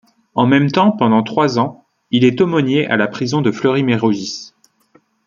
En même temps, pendant trois ans, il est aumônier à la prison de Fleury-Mérogis.